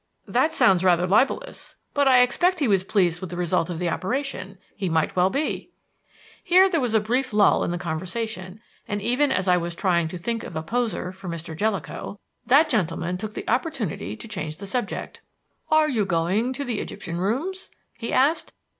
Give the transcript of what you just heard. "That sounds rather libelous; but I expect he was pleased with the result of the operation. He might well be." Here there was a brief lull in the conversation, and, even as I was trying to think of a poser for Mr. Jellicoe, that gentleman took the opportunity to change the subject. "Are you going to the Egyptian rooms?" he asked.